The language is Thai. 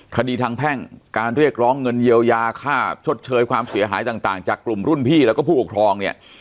คดีทางแพ่งการเรียกร้องเงินเยียวยาค่าชดเชยความเสียหายต่างจากกลุ่มรุ่นพี่แล้วก็ผู้ปกครองเนี่ย